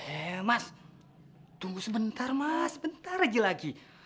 eh mas tunggu sebentar mas sebentar lagi lagi